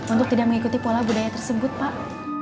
untuk tidak mengikuti pola budaya tersebut pak